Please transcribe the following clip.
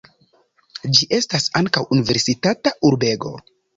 Ĝi estas ankaŭ universitata urbego.